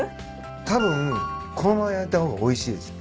たぶんこのまま焼いた方がおいしいです。